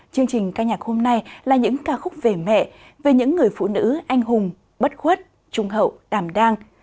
chương trình ca nhạc hôm nay là những ca khúc về mẹ về những người phụ nữ anh hùng bất khuất trung hậu đàm đang